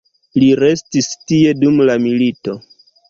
Li restis tie dum la milito.